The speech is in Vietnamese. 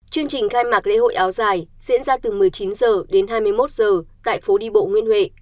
chương trình khai mạc lễ hội áo dài diễn ra từ một mươi chín h đến hai mươi một h tại phố đi bộ nguyên huệ